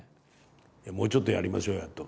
「いやもうちょっとやりましょうや」と。